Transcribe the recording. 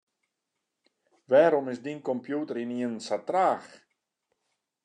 Wêrom is dyn kompjûter ynienen sa traach?